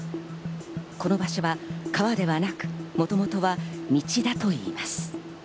この場所は川ではなく、もともとは道だといいます。